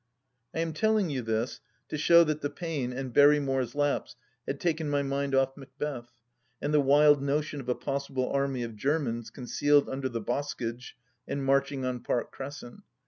... I am telling you this to show that the pain and Berry more's lapse had taken my mind off Macbeth, and the wild notion of a possible army of Germans concealed under the boskage and marching on Park Crescent.